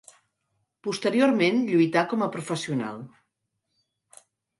Posteriorment lluità com a professional.